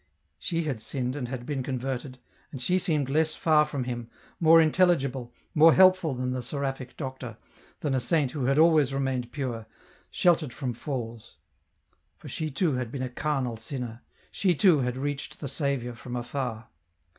She had sinned and had been converted, and she seemed less far from him, more intelligible, more helpful than the Seraphic Doctor, than a Saint who had always remained pure, sheltered from falls. For she too had been a carnal sinner ; she too had reached the Saviour from afar.